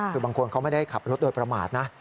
คือบางคนเขาไม่ได้ขับรถโดยประมาทนะ